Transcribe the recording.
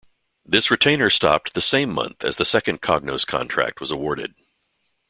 This retainer stopped the same month as the second Cognos contract was awarded.